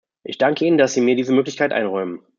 Ich danke Ihnen, dass Sie mir diese Möglichkeit einräumen.